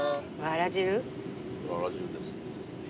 あら汁です。